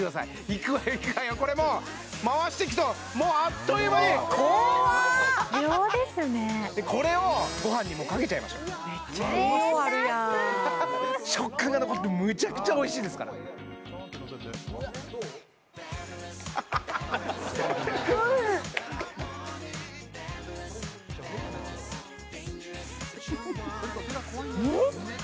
いくわよいくわよこれもう回していくともうあっという間にこわっ秒ですねでこれをごはんにかけちゃいましょうめっちゃ量あるやん食感が残ってむちゃくちゃおいしいですからハハハハうん？